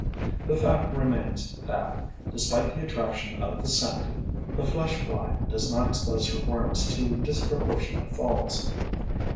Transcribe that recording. The fact remains that, despite the attraction of the scent, the flesh fly does not expose her worms to disproportionate falls.